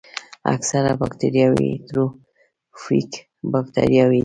اکثره باکتریاوې هیټروټروفیک باکتریاوې دي.